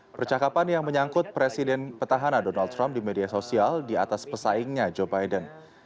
percakapan yang menyangkut presiden petahana donald trump di media sosial di atas pesaingnya joe biden